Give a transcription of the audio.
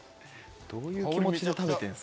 どういう気持ちで食べてるん